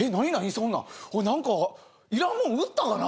そんななんかいらんもん売ったかな？